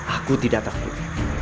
aku tidak takut